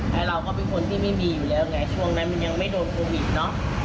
แล้วเราก็เป็นคนที่ไม่มีอยู่แล้วไงช่วงนั้นมันยังไม่โดนโควิดเนอะ